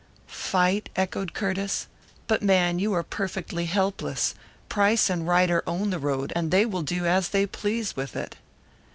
"Fight?" echoed Curtiss. "But, man, you are perfectly helpless! Price and Ryder own the road, and they will do as they please with it."